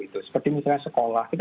itu seperti misalnya sekolah kita